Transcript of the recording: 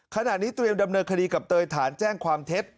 ขณะนี้เตรียมดำเนินคดีกับเตยฐานแจ้งความเท็จ